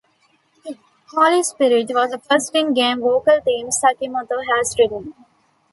"Holy Spirit" was the first in-game vocal theme Sakimoto has written.